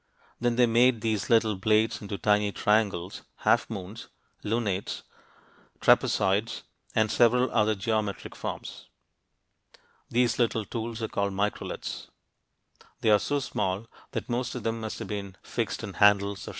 Then they made these little blades into tiny triangles, half moons ("lunates"), trapezoids, and several other geometric forms. These little tools are called "microliths." They are so small that most of them must have been fixed in handles or shafts.